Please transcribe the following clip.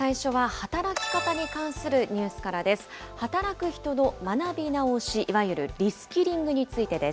働く人の学び直し、いわゆるリスキリングについてです。